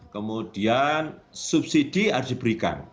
kemudian subsidi harus diberikan